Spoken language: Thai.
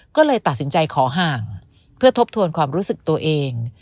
ก็เลยตัดสินใจขอห่างเพื่อทบทวนความรู้สึกตัวเอง